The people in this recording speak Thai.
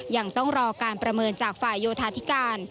ยังต้องรอการประเมินจากฝ่ายโยธาธิการ